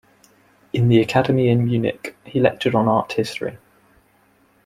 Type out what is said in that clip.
In the academy in Munich, he lectured on art history.